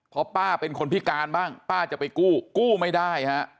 เพราะป้าเป็นคนพิการบ้างป้าจะไปกู้กู้ไม่ได้ฮะ